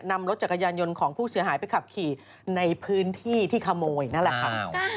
นำรถจักรยานยนต์ของผู้เสียหายไปขับขี่ในพื้นที่ที่ขโมยนั่นแหละค่ะ